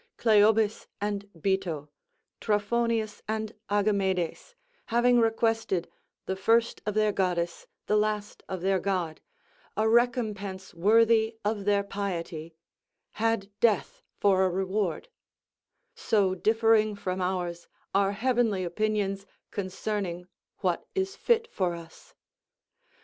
Cleobis and Bito, Trophonius and Agamedes, having requested, the first of their goddess, the last of their god, a recompense worthy of their piety, had death for a reward; so differing from ours are heavenly opinions concerning what is fit for us.